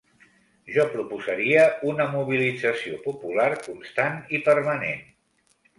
Jo proposaria una mobilització popular constant i permanent.